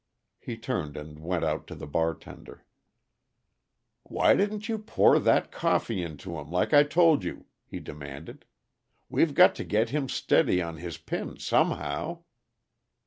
He turned and went out to the bartender. "Why didn't you pour that coffee into him, like I told you?" he demanded. "We've got to get him steady on his pins _somehow!